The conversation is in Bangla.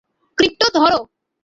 ক্রিপ্টো, ধরো!